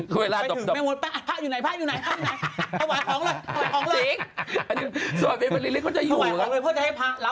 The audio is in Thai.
เป็นมูตรลูของดำ